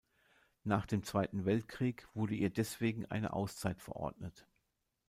Nach dem Zweiten Weltkrieg wurde ihr deswegen eine Auszeit verordnet.